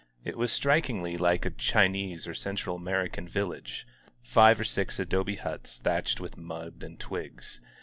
It was strik ingly like a Chinese or Central American village: fire or six adobe huts thatched with mud and twigs.